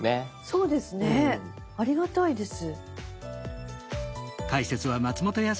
そうですねありがたいです。